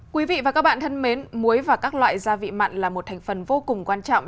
quý vị và các bạn thân mến muối và các loại gia vị mặn là một thành phần vô cùng quan trọng